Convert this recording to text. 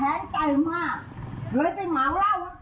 มันก็ยากในงานอย่างข้างหลังเลย